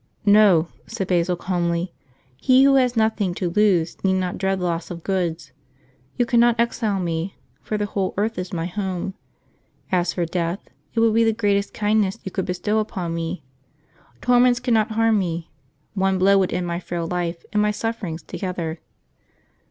^^ N"o," said Basil calmly; "he who has nothing to lose need not dread loss of goods; you cannot exile me, for the whole earth is m)'^ home; as for death, it would be the greatest kindness you could bestow upon me; torments cannot harm me : one blow would end my frail life and my suffer ings together."